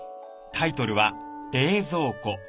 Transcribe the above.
タイトルは「冷蔵庫」。